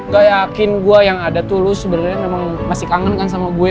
gak yakin gua yang ada tuh lo sebenernya emang masih kangen kan sama gue